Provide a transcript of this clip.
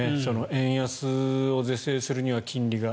円安を是正するには金利が。